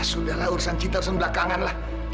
sudahlah urusan kita urusan belakangan lah